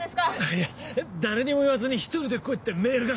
いや「誰にも言わずに１人で来い」ってメールが。